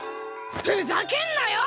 ふざけんなよ！